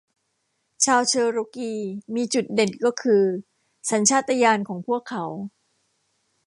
ชาวเชอโรกีมีจุดเด่นก็คือสัญชาตญาณของพวกเขา